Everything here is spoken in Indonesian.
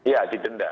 ya di denda